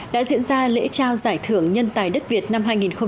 đã diễn ra lễ trao giải thưởng nhân tài đất việt năm hai nghìn một mươi chín